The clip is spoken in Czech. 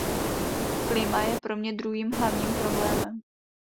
Klima je pro mě druhým hlavním problémem.